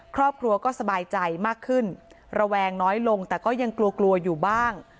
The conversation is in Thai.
ครอบครัวก็สบายใจมากขึ้นระแวงน้อยลงแต่ก็ยังกลัวกลัวอยู่บ้าง